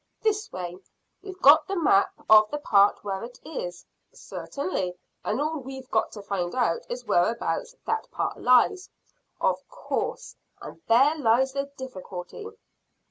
"This way. We've got the map of the part where it is." "Certainly, and all we've got to find out is whereabouts that part lies." "Of course: and there lies the difficulty."